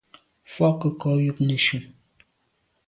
Mfùag nke nko yub neshu.